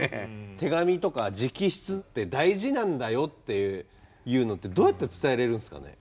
手紙とか直筆って大事なんだよっていうのってどうやって伝えれるんすかね。